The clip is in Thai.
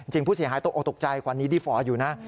จริงผู้เสียหายตกตกใจความนี้ดีฟอร์อยู่นะ